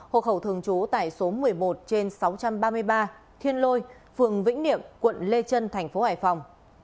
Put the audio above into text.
hộ khẩu thường trú tại số một mươi một trên sáu trăm ba mươi ba thiên lôi phường vĩnh niệm quận lê trân thành phố hải phòng